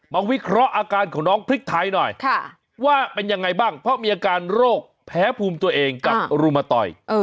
วิเคราะห์อาการของน้องพริกไทยหน่อยว่าเป็นยังไงบ้างเพราะมีอาการโรคแพ้ภูมิตัวเองกับรุมตอย